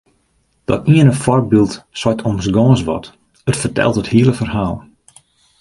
Dat iene foarbyld seit ommers gâns wat, it fertelt it hiele ferhaal.